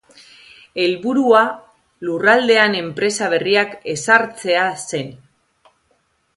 Helburua lurraldean enpresa berriak ezartzea zen.